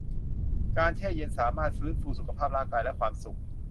การแช่เย็นสามารถฟื้นฟูสุขภาพร่างกายและความสุข